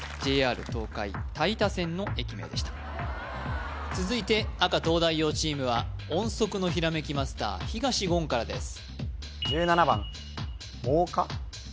ＪＲ東海太多線の駅名でした続いて赤東大王チームは音速のひらめきマスター東言からです